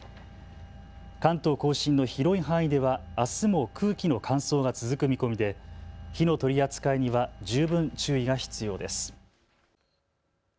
関東甲信の広い範囲ではあすも空気の乾燥が続く見込みで火の取り扱いには十分注意が必要です。